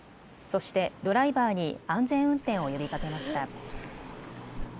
そしてドライバーに安全運転を呼びかけました。